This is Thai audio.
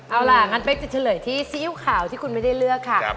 เอาล่ะงั้นเป๊กจะเฉลยที่ซีอิ๊วขาวที่คุณไม่ได้เลือกค่ะ